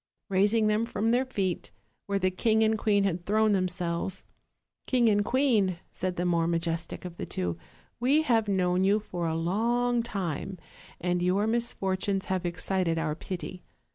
Raising them from their feet, where the king and queen had thrown themselves: 'King and queen,' said the more majestic of the two, 'we have known you for a long time; and your misfortunes have excited our pity.